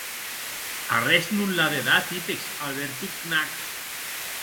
Arrés non l'a de dar tippex a Alberto Knag.